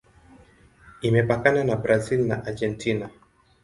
Imepakana na Brazil na Argentina.